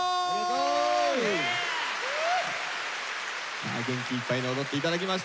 さあ元気いっぱいに踊っていただきましたよ。